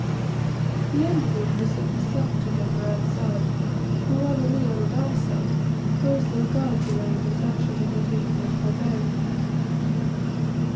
The end of it was that we supped together outside, or rather Leo and I supped, for as there were guards around us Ayesha did not even lift her veil.